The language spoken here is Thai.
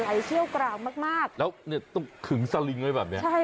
เชี่ยวกราวมากมากแล้วเนี่ยต้องขึงสลิงไว้แบบนี้ใช่